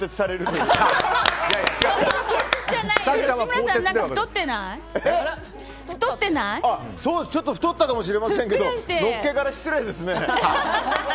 そうですね、ちょっと太ったかもしれませんけどのっけから失礼ですね。